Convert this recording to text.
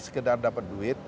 sekedar dapat duit